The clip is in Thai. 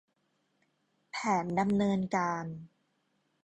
แผนดำเนินการ